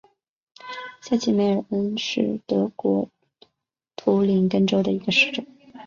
下齐梅尔恩是德国图林根州的一个市镇。